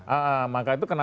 iya makanya itu kenapa